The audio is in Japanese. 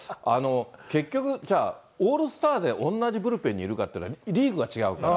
結局、じゃあオールスターで同じブルペンにいるかといういうとリーグが違うから。